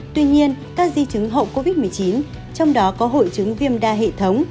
tuy nhiên các di chứng hậu covid một mươi chín trong đó có hội chứng viêm đa hệ thống